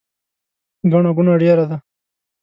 ګڼه ګوڼه ډیره ده